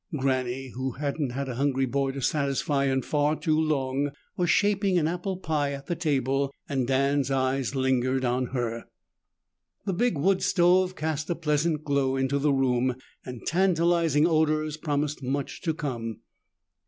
Granny, who hadn't had a hungry boy to satisfy in far too long, was shaping an apple pie at the table and Dan's eyes lingered on her. The big wood stove cast a pleasant glow into the room, and tantalizing odors promised much to come.